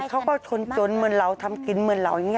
เขาก็ชนจนเหมือนเราทำกินเหมือนเราอย่างนี้